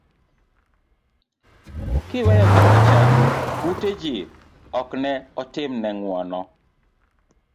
kiweyo ketho cham, ute ji ok ne otim ne ng'uono